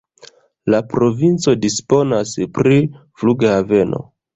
La provinco disponas pri flughaveno.